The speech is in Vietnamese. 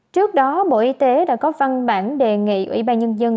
trước đó bộ y tế đã có văn bản đề nghị ủy ban nhân dân